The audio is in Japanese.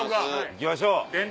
行きましょう。